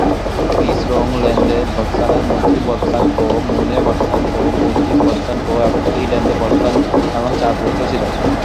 খ্রি-স্রোং-ল্দে-ব্ত্সানের মু-ত্রি-ব্ত্সান-পো, মু-নে-ব্ত্সান-পো, মু-তিগ-ব্ত্সান-পো এবং খ্রি-ল্দে-স্রোং-ব্ত্সান নামক চার পুত্র ছিল।